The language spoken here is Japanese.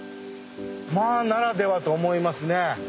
まあならではと思いますね。